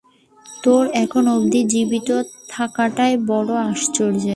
তোর এখন অব্ধি জীবিত থাকাটাই বড়ো আশ্চর্যের।